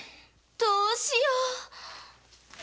どうしよう！